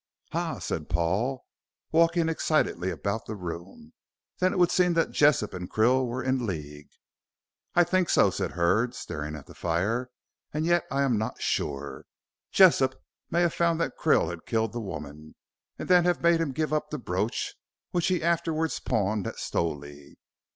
"Ha," said Paul, walking excitedly about the room. "Then it would seem that Jessop and Krill were in league?" "I think so," said Hurd, staring at the fire. "And yet I am not sure. Jessop may have found that Krill had killed the woman, and then have made him give up the brooch, which he afterwards pawned at Stowley.